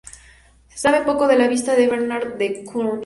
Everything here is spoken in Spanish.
Se sabe poco de la vida de Bernardo de Cluny.